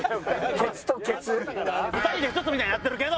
２人で１つみたいになってるけど！